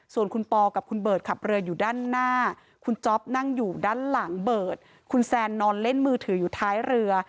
ส่วนคุณปอกับคุณเบิร์ตขับเรืออยู่ด้านหน้าคุณจ๊อปนั่งอยู่ด้านหลังเบิร์ตคุณแซนนอนเล่นมือถืออยู่ท้ายเรือ